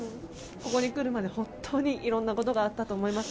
ここに来るまで本当に色んなことがあったと思います。